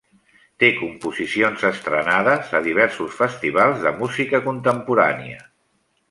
Té composicions estrenades a diversos Festivals de Música Contemporània.